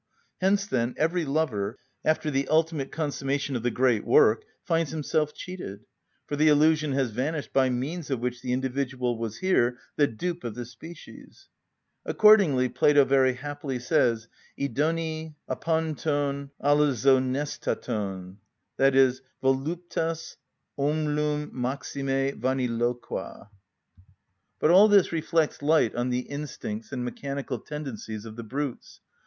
Hence, then, every lover, after the ultimate consummation of the great work, finds himself cheated; for the illusion has vanished by means of which the individual was here the dupe of the species, Accordingly Plato very happily says: "ἡδονη ἁπαντων αλαζονεστατον" (voluptas ommlum maxime vaniloqua), Phileb. 319. But all this reflects light on the instincts and mechanical tendencies of the brutes.